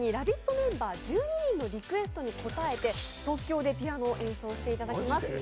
メンバー１２人のリクエストに応えて即興でピアノを演奏していただきます。